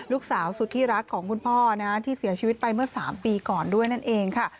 ลูกสาวสุดที่รักของคุณพ่อที่เสียชีวิตไปเมื่อ๓ปีก่อนด้วยนั่นเองค่ะ